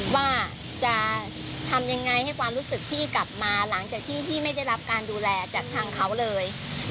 ว่าจะทำยังไงให้ความรู้สึกพี่กลับมาหลังจากที่พี่ไม่ได้รับการดูแลจากทางเขาเลย